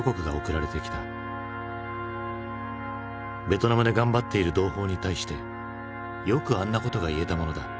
「ベトナムで頑張っている同胞に対してよくあんなことが言えたものだ」。